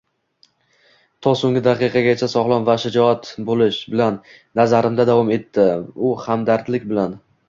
To soʻnggi daqiqagacha sogʻlom va shijoat bilan, nazarimda… – davom etdi u hamdardlik bilan.